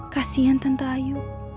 kasian tante ayu